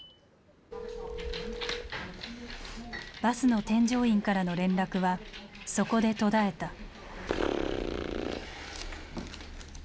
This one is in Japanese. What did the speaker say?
バスの添乗員からの連絡はそこで途絶えた。